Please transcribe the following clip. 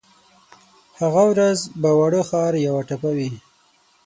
هغه ورځ به واړه ښار یوه ټپه وي